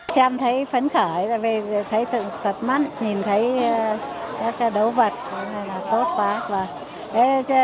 xem thấy phấn khởi thấy tự tật mắt nhìn thấy các đấu vật tốt quá